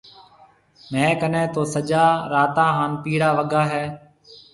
ميه ڪنَي تو سجا راتا هانَ پيڙا وگا هيَ۔